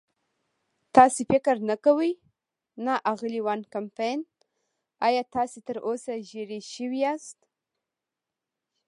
تاسې فکر نه کوئ؟ نه، اغلې وان کمپن، ایا تاسې تراوسه ژېړی شوي یاست؟